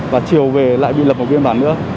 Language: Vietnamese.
và chiều về lại bị lập một biên bản nữa